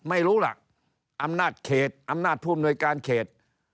ไม่รู้ล่ะอำนาจเขตอำนาจผู้อำนวยการเขต